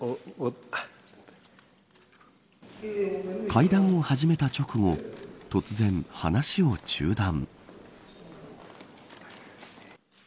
会談を始めた直後突然、話を中断。